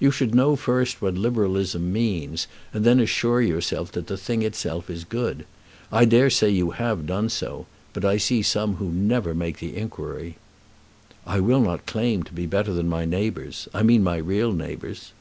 You should first know what Liberalism means, and then assure yourself that the thing itself is good. I dare say you have done so; but I see some who never make the inquiry." "I will not claim to be better than my neighbours, I mean my real neighbours."